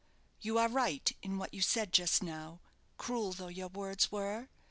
You are right in what you said just now, cruel though your words were.